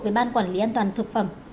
với ban quản lý an toàn thực phẩm